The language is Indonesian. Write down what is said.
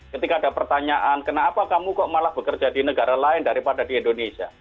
ketika ada pertanyaan kenapa kamu kok malah bekerja di negara lain daripada di indonesia